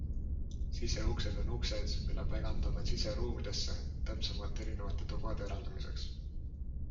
Siseuksed on uksed, mille paigaldame siseruumidesse, täpsemalt erinevate tubade eraldamiseks.